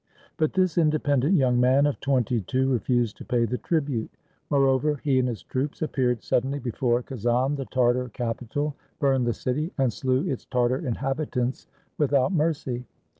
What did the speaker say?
But this independent young man of twenty two refused to pay the tribute. Moreover, he and his troops appeared suddenly before Kazan, the Tartar capital, burned the city, and slew its Tartar inhabitants with out mercy.